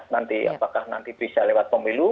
nanti apakah nanti bisa lewat pemilu